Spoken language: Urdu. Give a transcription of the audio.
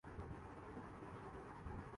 تو مرے ساتھیوں کی یاد پھرآتی ہے۔